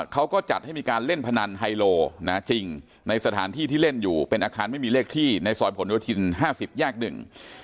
เขาก็จัดให้มีการเล่นพนันไฮโลนะจริงในสถานที่ที่เล่นอยู่เป็นอาคารไม่มีเลขที่ในซอยผลโยธินห้าสิบแยกหนึ่ง